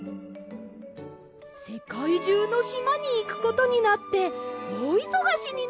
せかいじゅうのしまにいくことになっておおいそがしになるでしょう。